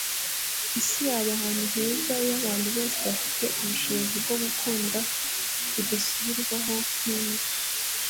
isi yaba ahantu heza iyo abantu bose bafite ubushobozi bwo gukunda bidasubirwaho nk'imbwa